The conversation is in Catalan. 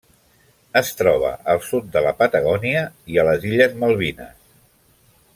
Es troba al sud de la Patagònia i a les Illes Malvines.